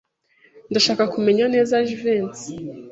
Ndashaka kumenya neza Jivency.